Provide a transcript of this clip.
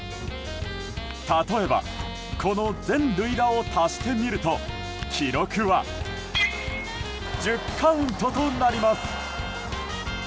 例えばこの全塁打を足してみると記録は１０カウントとなります。